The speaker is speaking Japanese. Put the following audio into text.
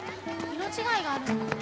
色違いがあるんだね